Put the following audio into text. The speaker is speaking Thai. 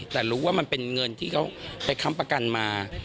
แต่รู้ว่ามันเป็นเงินที่เขาไปค้ำประกันมา